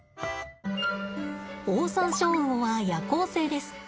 オオサンショウウオは夜行性です。